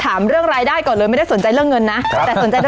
ถามเรื่องรายได้ก่อนเลยไม่ได้สนใจเรื่องเงินนะแต่สนใจเรื่อง